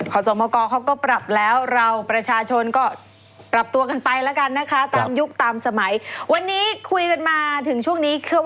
ขอสอมโมกรเขาก็ปรับแล้ว